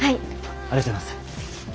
ありがとうございます。